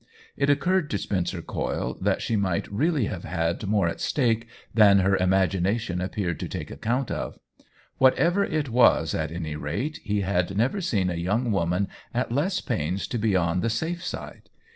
It occurred to Spencer Coyle that she might really have had more at stake than her imagination appeared to take ac count of ; whatever it was, at any rate, he had never seen a young woman at less pains to be on the safe side.